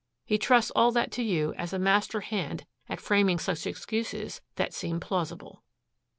He trusts all that to you as a master hand at framing such excuses that seem plausible."